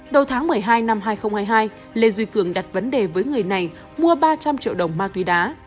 đầu tháng một mươi hai năm hai nghìn hai mươi hai lê duy cường đặt vấn đề với người này mua ba trăm linh triệu đồng ma túy đá